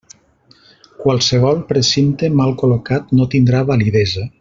Qualsevol precinte mal col·locat no tindrà validesa.